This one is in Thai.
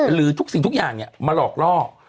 หรือทุกสิ่งทุกอย่างมาหลอกล่อ